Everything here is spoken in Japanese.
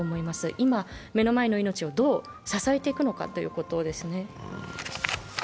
今、目の前の命をどう支えていくのかということですね。